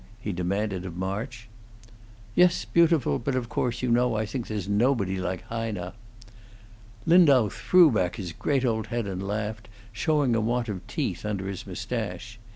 he demanded of March. "Yes, beautiful; but, of course, you know I think there's nobody like Heine!" Lindau threw back his great old head and laughed, showing a want of teeth under his mustache.